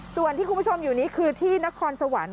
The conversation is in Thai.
ส่วนที่คุณผู้ชมอยู่นี้คือที่นครสวรรค์